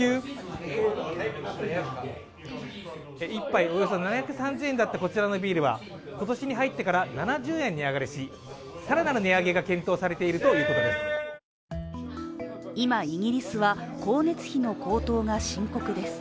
１杯およそ７３０円だったこちらのビールは今年に入ってから７０円値上がりし更なる値上げが検討されているということです